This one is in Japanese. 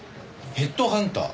ヘッドハンター？